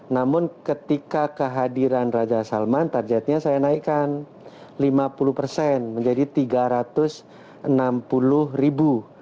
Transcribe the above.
namun ketika kehadiran raja salman targetnya saya naikkan lima puluh persen menjadi tiga ratus enam puluh ribu